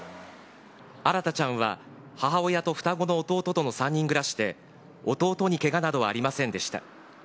新大ちゃんは、母親と双子の弟との３人暮らしで、弟にけがなどはありませんでした。